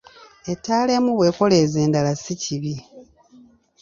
Ettaala emu bw'ekoleeza endala si kibi.